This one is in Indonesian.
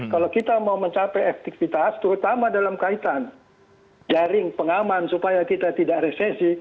kalau kita mau mencapai efektivitas terutama dalam kaitan jaring pengaman supaya kita tidak resesi